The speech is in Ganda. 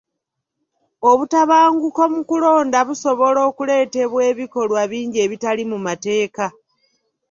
Obutabanguko mu kulonda busobola okuleetebwa ebikolwa bingi ebitali mu mateeka.